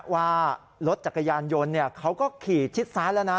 ว่ารถจักรยานยนต์เขาก็ขี่ชิดซ้ายแล้วนะ